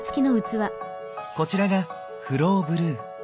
こちらが「フローブルー」。